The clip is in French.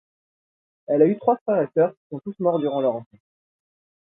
Elle a eu trois frères et sœurs qui sont tous morts durant leur enfance.